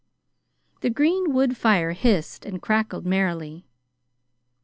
The green wood fire hissed and crackled merrily.